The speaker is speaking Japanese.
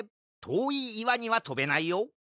とおいいわにはとべないよ！